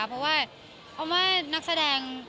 เพราะว่าออมว่านักแสดง